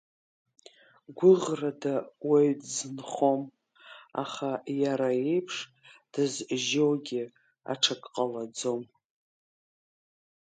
Гәыӷрада уаҩ дзынхом, аха иара еиԥш дызжьогьы аҽак ҟалаӡом.